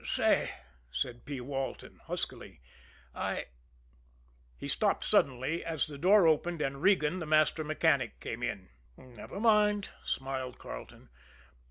"Say," said P. Walton huskily, "I " he stopped suddenly, as the door opened and Regan, the master mechanic, came in. "Never mind," smiled Carleton.